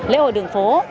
lễ hội đường phố